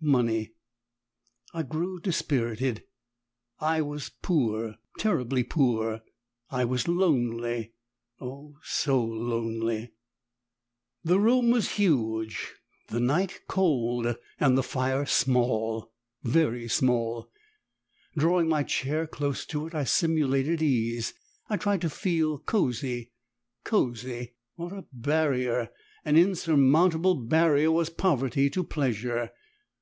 Money! I grew dispirited! I was poor! terribly poor! I was lonely! Oh, so lonely! The room was huge, the night cold and the fire SMALL very small. Drawing my chair close to it I simulated ease; I tried to feel cosy! Cosy! What a barrier, an insurmountable barrier, was poverty to pleasure!